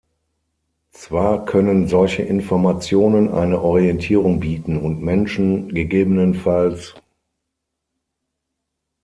Zwar können solche Informationen eine Orientierung bieten und Menschen ggf.